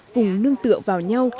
cùng nương tựa vào nhau